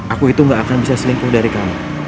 aku itu gak akan bisa selingkuh dari kamu